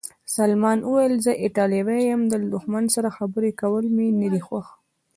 سلمان وویل: زه ایټالوی یم، له دښمن سره خبرې کول مې نه دي خوښ.